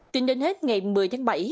tin đến hết ngày một mươi tháng bảy